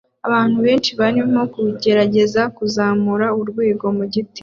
Abantu benshi barimo kugerageza kuzamuka urwego mu giti